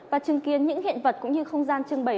và chứng kiến những hiện vật cũng như không gian trưng bày